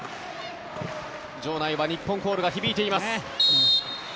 場内は日本コールが響いています。